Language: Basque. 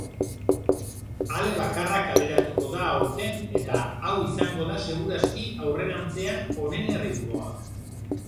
Ale bakarra kaleratuko da aurten eta hau izango da seguraski aurrerantzean honen erritmoa.